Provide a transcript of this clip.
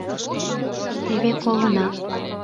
— Теве колына...